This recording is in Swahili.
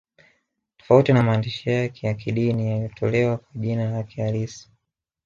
Tofauti na maandishi yake ya kidini yaliyotolewa kwa jina lake halisi